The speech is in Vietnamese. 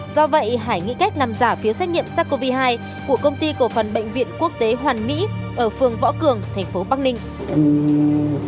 do vậy hải nghĩ cách làm giả phiếu xét nghiệm sars cov hai của công ty cổ phần bệnh viện quốc tế hoàn mỹ ở phường võ cường thành phố bắc ninh